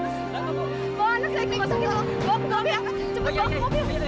cepat bawa aku mobil